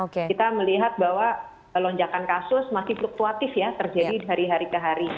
kita melihat bahwa lonjakan kasus masih fluktuatif ya terjadi dari hari ke hari